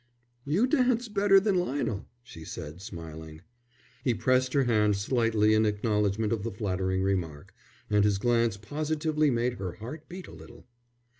"You dance better than Lionel," she said, smiling. He pressed her hand slightly in acknowledgment of the flattering remark, and his glance positively made her heart beat a little.